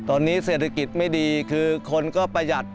ตอนนี้เศรษฐกิจไม่ดีคือคนก็ไปอย่างน้อย